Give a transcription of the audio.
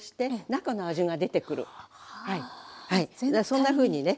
そんなふうにね